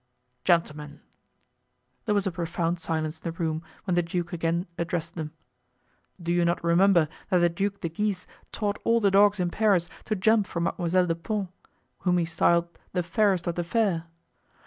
"Gentlemen!"—there was a profound silence in the room when the duke again addressed them—"do you not remember that the Duc de Guise taught all the dogs in Paris to jump for Mademoiselle de Pons, whom he styled 'the fairest of the fair?